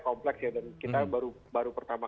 kompleks ya dan kita baru pertama